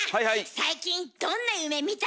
最近どんな夢見た？